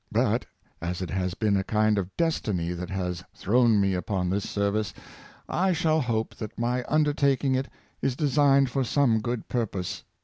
But, as it has been a kind of destiny that has thrown me upon this service, I shall hope that my un dertaking it is designed for some good purpose.